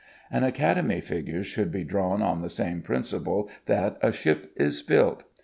An Academy figure should be drawn on the same principle that a ship is built.